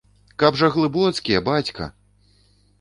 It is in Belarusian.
Каб жа глыбоцкія, бацька!